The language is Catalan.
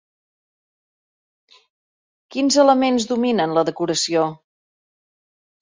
Quins elements dominen la decoració?